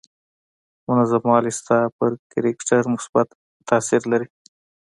منظم والی ستا پر کرکټر مثبت تاثير لري.